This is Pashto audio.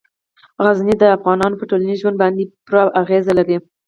غزني د افغانانو په ټولنیز ژوند باندې پوره اغېز لري.